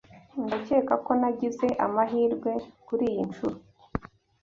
Ndakeka ko nagize amahirwe kuriyi nshuro.